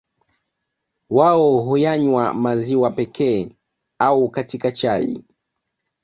Wao huyanywa maziwa pekee au katika chai